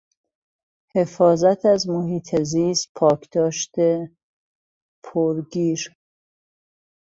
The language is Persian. حفاظت از محیط زیست، پاسداشت پرگیر